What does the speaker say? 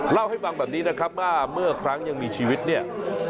เล่าให้ฟังแบบนี้นะครับว่าเมื่อครั้งยังมีชีวิตเนี่ย